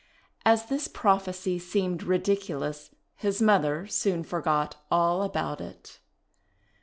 As this prophecy seemed ridiculous, his mother soon for got all about it.